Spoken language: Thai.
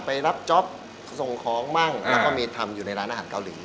ไปรับจ๊อปส่งของบ้างแล้วก็มีทำอยู่ในร้านอาหารเกาหลี